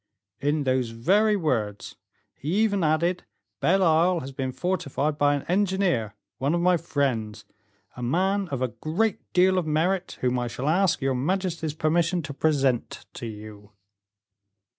"In those very words. He even added: 'Belle Isle has been fortified by an engineer, one of my friends, a man of a great deal of merit, whom I shall ask your majesty's permission to present to you.